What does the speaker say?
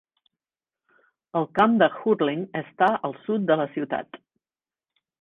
El camp de hurling està al sud de la ciutat.